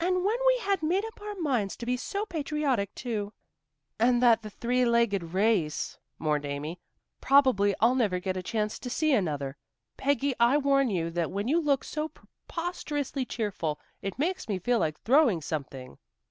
"And when we had made up our minds to be so patriotic, too." "And that three legged race," mourned Amy. "Probably I'll never get a chance to see another. Peggy, I warn you that when you look so preposterously cheerful, it makes me feel like throwing something."